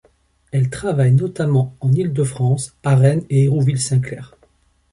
Elle travaille notamment en Île-de-France, à Rennes et Hérouville-Saint-Clair.